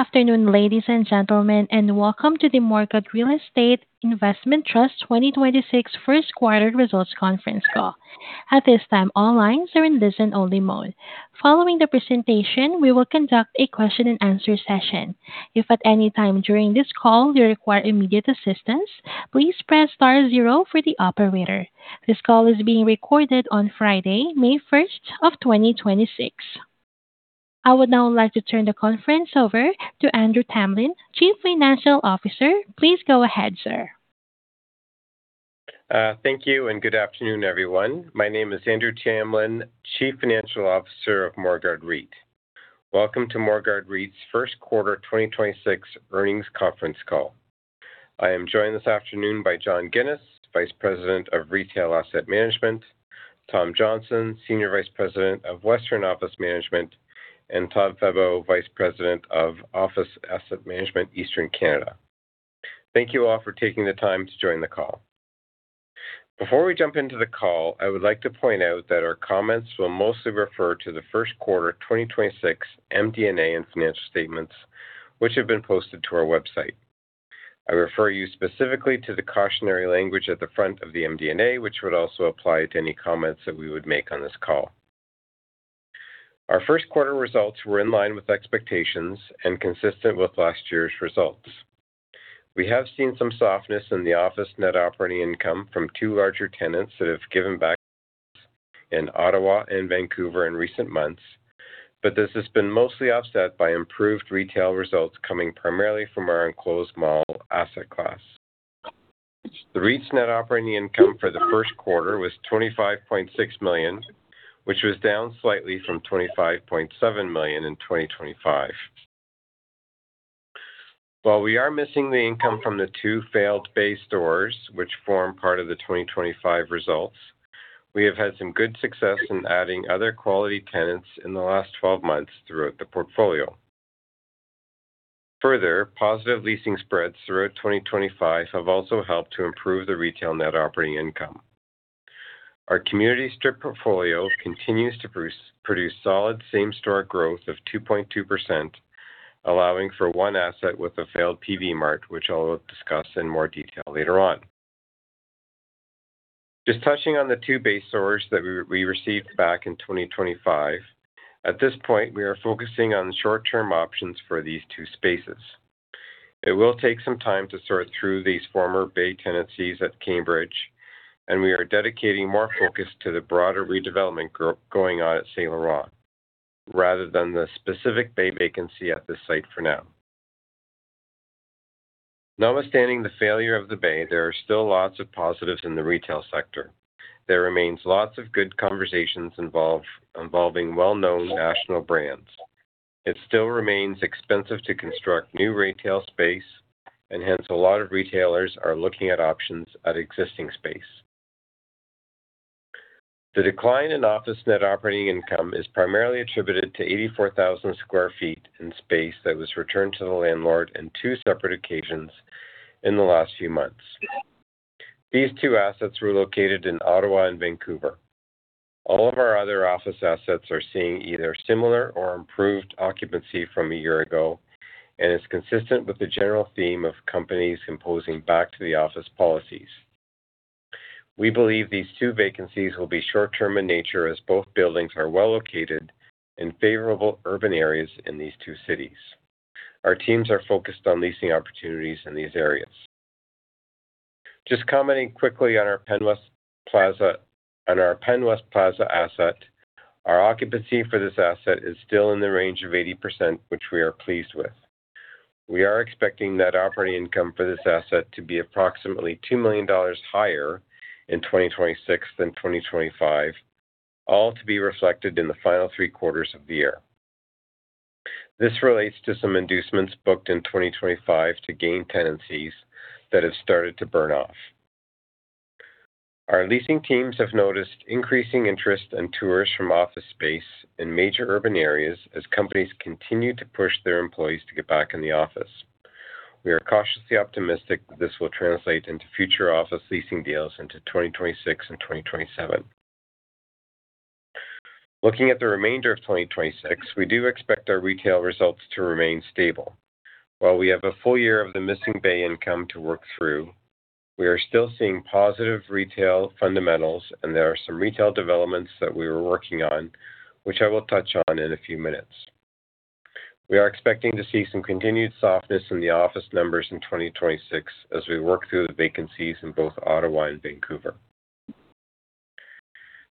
Afternoon, ladies and gentlemen, welcome to the Morguard Real Estate Investment Trust 2026 First Quarter Results Conference Call. At this time all lines are in listen only mode. Following the presentation, we will conduct a question and answer session. If at any time during this call you require immediate assistance, please press star zero for the operator. This call is being recorded on Friday, May 1st of 2026. I would now like to turn the conference over to Andrew Tamlin, Chief Financial Officer. Please go ahead, sir. Thank you, and good afternoon, everyone. My name is Andrew Tamlin, Chief Financial Officer of Morguard REIT. Welcome to Morguard REIT's First Quarter 2026 Earnings Conference Call. I am joined this afternoon by John Ginis, Vice President of Retail Asset Management, Tom Johnston, Senior Vice President of Western Office Management, and Todd Febbo, Vice President of Office Asset Management, Eastern Canada. Thank you all for taking the time to join the call. Before we jump into the call, I would like to point out that our comments will mostly refer to the first quarter 2026 MD&A and financial statements, which have been posted to our website. I refer you specifically to the cautionary language at the front of the MD&A, which would also apply to any comments that we would make on this call. Our first quarter results were in line with expectations and consistent with last year's results. We have seen some softness in the office net operating income from two larger tenants that have given back in Ottawa and Vancouver in recent months, but this has been mostly offset by improved retail results coming primarily from our enclosed mall asset class. The REIT's net operating income for the first quarter was 25.6 million, which was down slightly from 25.7 million in 2025. While we are missing the income from the two failed The Bay stores, which form part of the 2025 results, we have had some good success in adding other quality tenants in the last 12 months throughout the portfolio. Further, positive leasing spreads throughout 2025 have also helped to improve the retail net operating income. Our community strip portfolio continues to produce solid same-store growth of 2.2%, allowing for one asset with a failed Peavey Mart, which I'll discuss in more detail later on. Just touching on the two Bay stores that we received back in 2025, at this point, we are focusing on short-term options for these two spaces. It will take some time to sort through these former Bay tenancies at Cambridge, and we are dedicating more focus to the broader redevelopment going on at Saint Laurent rather than the specific Bay vacancy at this site for now. Notwithstanding the failure of the Bay, there are still lots of positives in the retail sector. There remains lots of good conversations involve, involving well-known national brands. It still remains expensive to construct new retail space, and hence, a lot of retailers are looking at options at existing space. The decline in office net operating income is primarily attributed to 84,000 sq ft in space that was returned to the landlord in two separate occasions in the last few months. These two assets were located in Ottawa and Vancouver. All of our other office assets are seeing either similar or improved occupancy from a year ago and is consistent with the general theme of companies imposing back to the office policies. We believe these two vacancies will be short-term in nature as both buildings are well-located in favorable urban areas in these two cities. Our teams are focused on leasing opportunities in these areas. Just commenting quickly on our Penn West Plaza asset. Our occupancy for this asset is still in the range of 80%, which we are pleased with. We are expecting net operating income for this asset to be approximately 2 million dollars higher in 2026 than 2025, all to be reflected in the final three quarters of the year. This relates to some inducements booked in 2025 to gain tenancies that have started to burn off. Our leasing teams have noticed increasing interest in tours from office space in major urban areas as companies continue to push their employees to get back in the office. We are cautiously optimistic that this will translate into future office leasing deals into 2026 and 2027. Looking at the remainder of 2026, we do expect our retail results to remain stable. While we have a full year of the missing Bay income to work through, we are still seeing positive retail fundamentals, and there are some retail developments that we are working on, which I will touch on in a few minutes. We are expecting to see some continued softness in the office numbers in 2026 as we work through the vacancies in both Ottawa and Vancouver.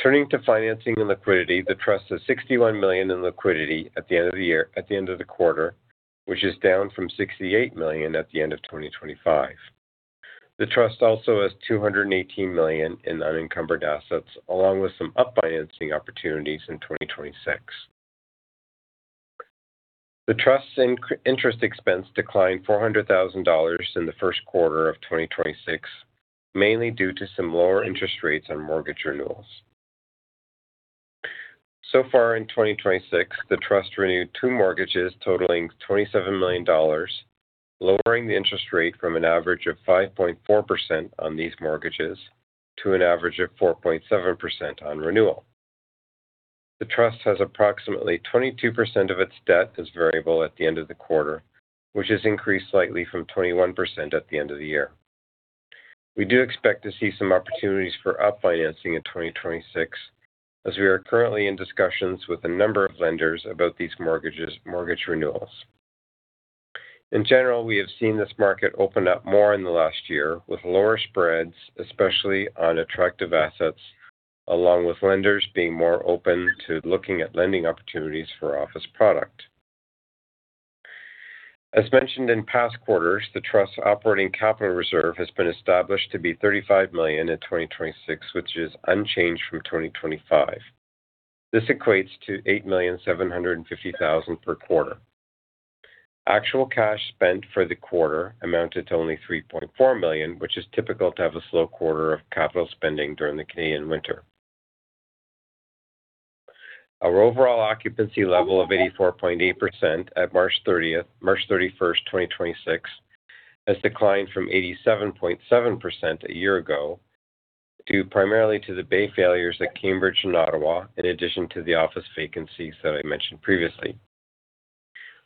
Turning to financing and liquidity, the trust has 61 million in liquidity at the end of the year, at the end of the quarter, which is down from 68 million at the end of 2025. The trust also has 218 million in unencumbered assets, along with some up-financing opportunities in 2026. The trust's interest expense declined 400,000 dollars in the first quarter of 2026, mainly due to some lower interest rates on mortgage renewals. So far in 2026, the trust renewed two mortgages totaling 27 million dollars, lowering the interest rate from an average of 5.4% on these mortgages to an average of 4.7% on renewal. The trust has approximately 22% of its debt as variable at the end of the quarter, which has increased slightly from 21% at the end of the year. We do expect to see some opportunities for up financing in 2026 as we are currently in discussions with a number of lenders about these mortgages, mortgage renewals. In general, we have seen this market open up more in the last year with lower spreads, especially on attractive assets, along with lenders being more open to looking at lending opportunities for office product. As mentioned in past quarters, the trust operating capital reserve has been established to be 35 million in 2026, which is unchanged from 2025. This equates to 8,750,000 per quarter. Actual cash spent for the quarter amounted to only 3.4 million, which is typical to have a slow quarter of capital spending during the Canadian winter. Our overall occupancy level of 84.8% at March 30th, March 31st, 2026 has declined from 87.7% a year ago, due primarily to The Bay failures at Cambridge and Ottawa, in addition to the office vacancies that I mentioned previously.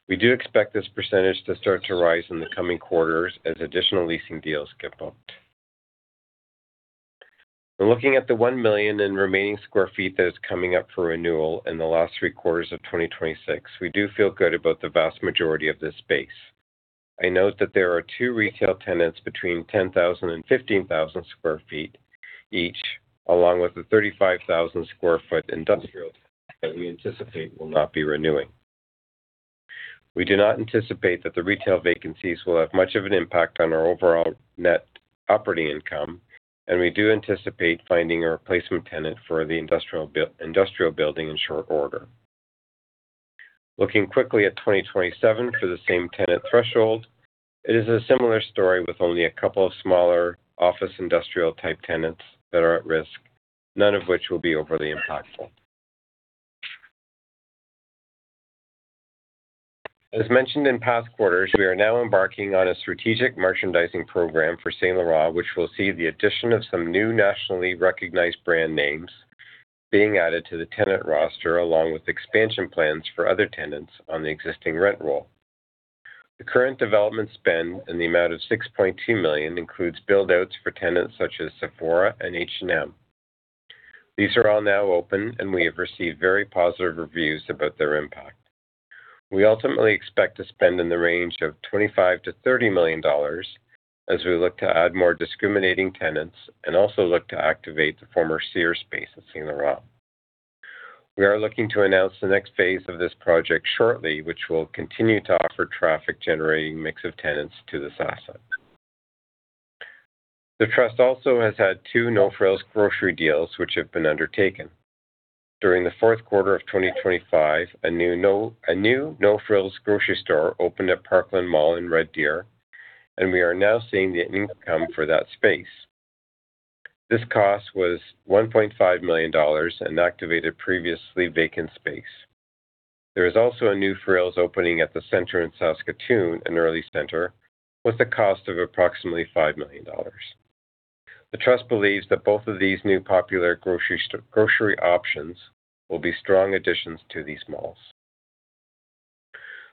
We do expect this percentage to start to rise in the coming quarters as additional leasing deals get booked. When looking at the 1 million in remaining sq ft that is coming up for renewal in the last three quarters of 2026, we do feel good about the vast majority of this space. I note that there are two retail tenants between 10,000-15,000 sq ft each, along with a 35,000 sq ft industrial that we anticipate will not be renewing. We do not anticipate that the retail vacancies will have much of an impact on our overall net operating income, and we do anticipate finding a replacement tenant for the industrial building in short order. Looking quickly at 2027 for the same tenant threshold, it is a similar story with only a couple smaller office industrial type tenants that are at risk, none of which will be overly impactful. As mentioned in past quarters, we are now embarking on a strategic merchandising program for Saint Laurent, which will see the addition of some new nationally recognized brand names being added to the tenant roster, along with expansion plans for other tenants on the existing rent roll. The current development spend in the amount of 6.2 million includes build-outs for tenants such as Sephora and H&M. These are all now open, and we have received very positive reviews about their impact. We ultimately expect to spend in the range of 25 million-30 million dollars as we look to add more discriminating tenants and also look to activate the former Sears space at Saint Laurent. We are looking to announce the next phase of this project shortly, which will continue to offer traffic-generating mix of tenants to this asset. The trust also has had two No Frills grocery deals which have been undertaken. During the fourth quarter of 2025, a new No Frills grocery store opened at Parkland Mall in Red Deer, and we are now seeing the income for that space. This cost was 1.5 million dollars and activated previously vacant space. There is also a new No Frills opening at the center in Saskatoon, an early center, with a cost of approximately 5 million dollars. The trust believes that both of these new popular grocery options will be strong additions to these malls.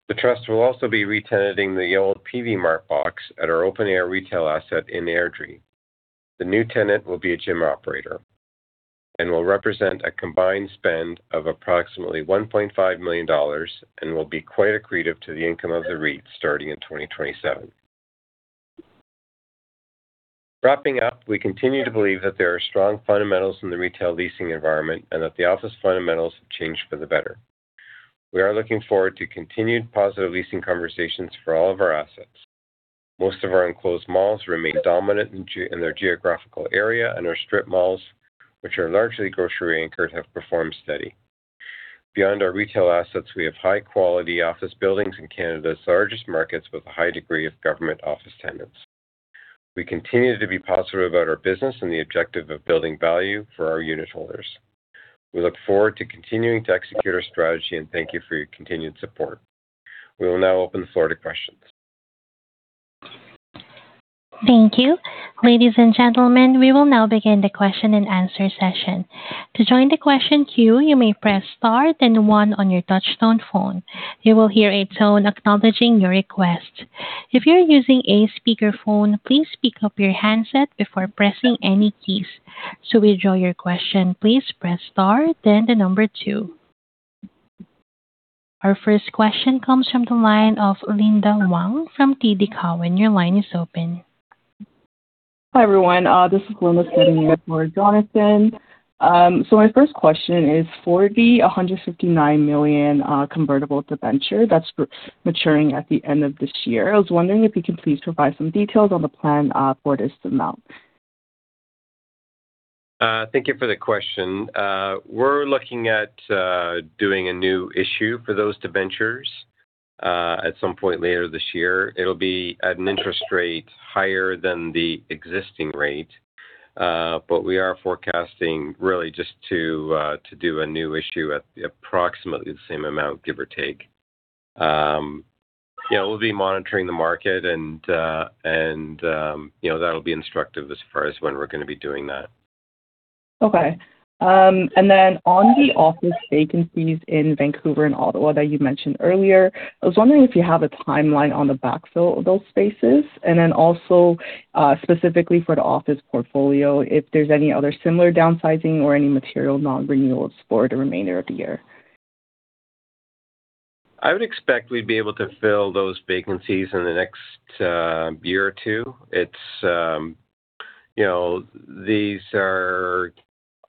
The trust will also be re-tenanting the old Peavey Mart box at our open air retail asset in Airdrie. The new tenant will be a gym operator and will represent a combined spend of approximately 1.5 million dollars and will be quite accretive to the income of the REIT starting in 2027. Wrapping up, we continue to believe that there are strong fundamentals in the retail leasing environment and that the office fundamentals have changed for the better. We are looking forward to continued positive leasing conversations for all of our assets. Most of our enclosed malls remain dominant in their geographical area, our strip malls, which are largely grocery anchored, have performed steady. Beyond our retail assets, we have high quality office buildings in Canada's largest markets with a high degree of government office tenants. We continue to be positive about our business and the objective of building value for our unitholders. We look forward to continuing to execute our strategy and thank you for your continued support. We will now open the floor to questions. Thank you. Ladies and gentlemen, we will now begin the question and answer session. To join the question queue, you may press star then one on your touch-tone phone. You will hear a tone acknowledging your request. If you're using a speakerphone, please pick up your handset before pressing any keys. To withdraw your question, please press star then the number two. Our first question comes from the line of Linda Wang from TD Cowen. Your line is open. Hi, everyone. This is Linda standing in for Jonathan. My first question is for the 159 million convertible debenture that's maturing at the end of this year, I was wondering if you could please provide some details on the plan for this amount. Thank you for the question. We're looking at doing a new issue for those debentures at some point later this year. It'll be at an interest rate higher than the existing rate, but we are forecasting really just to do a new issue at approximately the same amount, give or take. Yeah, we'll be monitoring the market and, you know, that'll be instructive as far as when we're gonna be doing that. Okay. Then, on the office vacancies in Vancouver and Ottawa that you mentioned earlier, I was wondering if you have a timeline on the backfill of those spaces. Also, specifically for the office portfolio, if there's any other similar downsizing or any material non-renewals for the remainder of the year. I would expect we'd be able to fill those vacancies in the next year or two. It's, you know, these are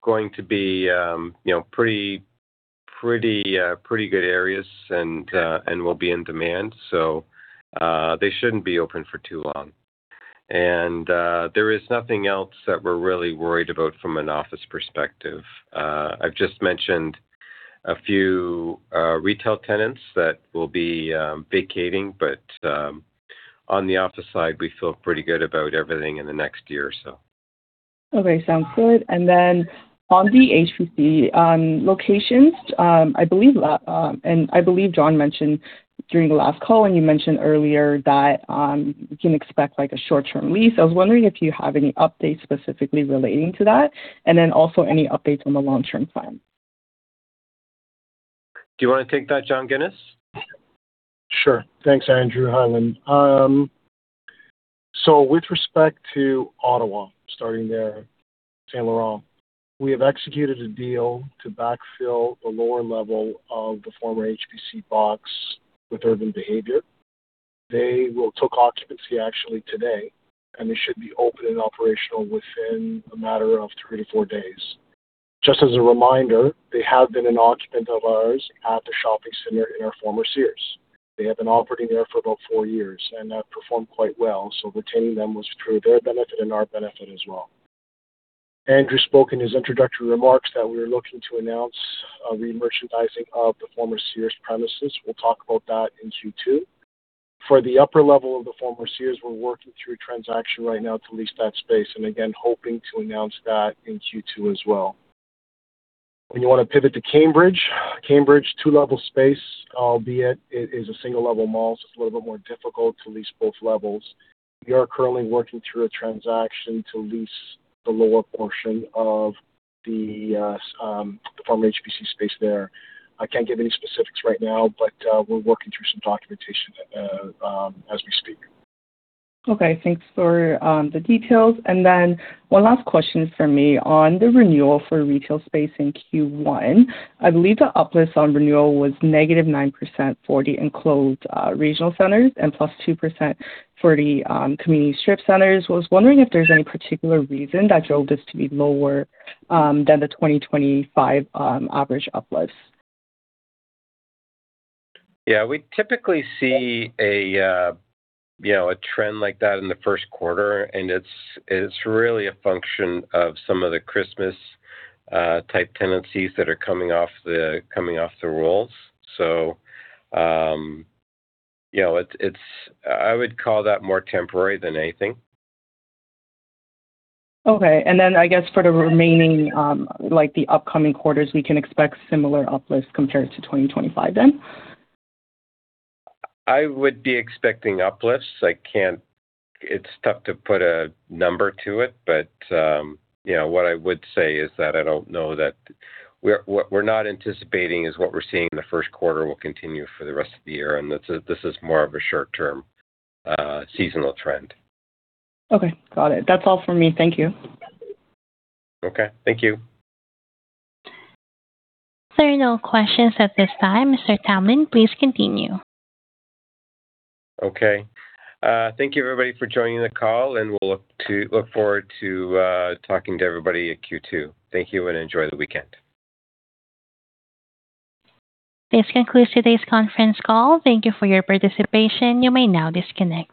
going to be, you know, pretty, pretty good areas and will be in demand, they shouldn't be open for too long. There is nothing else that we're really worried about from an office perspective. I've just mentioned a few retail tenants that will be vacating. On the office side, we feel pretty good about everything in the next year or so. Okay. Sounds good. Then, on the HBC locations, I believe John mentioned during the last call and you mentioned earlier that we can expect like a short-term lease. I was wondering if you have any updates specifically relating to that, and then also any updates on the long-term plan? Do you wanna take that, John Ginis? Sure. Thanks, Andrew, [hang on]. With respect to Ottawa, starting there, St. Laurent, we have executed a deal to backfill the lower level of the former HBC box with Urban Behavior. They will took occupancy actually today, and they should be open and operational within a matter of three to four days. Just as a reminder, they have been an occupant of ours at the shopping center in our former Sears. They have been operating there for about four years and have performed quite well, so retaining them was through their benefit and our benefit as well. Andrew spoke in his introductory remarks that we are looking to announce re-merchandising of the former Sears premises. We'll talk about that in Q2. For the upper level of the former Sears, we're working through a transaction right now to lease that space and again, hoping to announce that in Q2 as well. When you want to pivot to Cambridge, Cambridge 2-level space, albeit it is a single-level mall, so it's a little bit more difficult to lease both levels. We are currently working through a transaction to lease the lower portion of the former HBC space there. I can't give any specifics right now, but we're working through some documentation as we speak. Okay. Thanks for the details. One last question from me. On the renewal for retail space in Q1, I believe the uplifts on renewal was -9% for the enclosed regional centers and +2% for the community strip centers. I was wondering if there is any particular reason that drove this to be lower than the 20%-25% average uplifts. Yeah. We typically see a, you know, a trend like that in the first quarter, and it's really a function of some of the Christmas, type tenancies that are coming off the rolls. You know, I would call that more temporary than anything. Okay. Then, I guess for the remaining, like the upcoming quarters, we can expect similar uplifts compared to 2025 then? I would be expecting uplifts. I can't, it's tough to put a number to it. You know, what I would say is that I don't know that, we're not anticipating is what we're seeing in the first quarter will continue for the rest of the year, and this is more of a short-term, seasonal trend. Okay. Got it. That's all for me. Thank you. Okay. Thank you. There are no questions at this time. Mr. Tamlin, please continue. Okay. Thank you, everybody, for joining the call, and we'll look forward to talking to everybody at Q2. Thank you, and enjoy the weekend. This concludes today's conference call. Thank you for your participation. You may now disconnect.